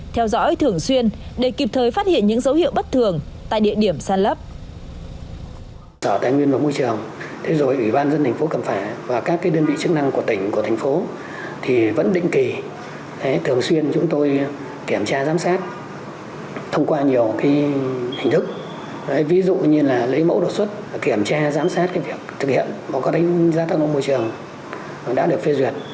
theo dõi thường xuyên để kịp thời phát hiện những dấu hiệu bất thường tại địa điểm sàn lấp